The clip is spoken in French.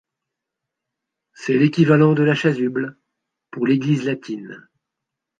C'est l'équivalent de la chasuble pour l'Église latine.